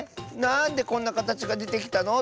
なんでこんなかたちがでてきたの？